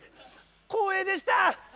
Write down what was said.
光栄でした！